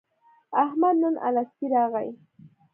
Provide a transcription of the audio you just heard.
احمد نن الستی راغی.